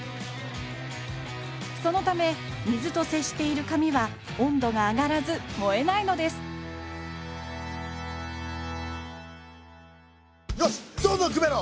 そのため水と接している紙は温度が上がらず燃えないのですよしどんどんくべろ！